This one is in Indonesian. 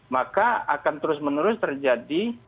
maka akan terus menerus terjadi